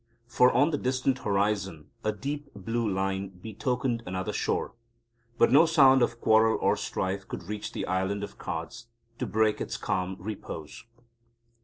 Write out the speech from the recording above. For on the distant horizon a deep blue line betokened another shore. But no sound of quarrel or strife could reach the Island of Cards, to break its calm repose.